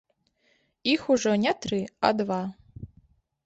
Іх ужо не тры, а два.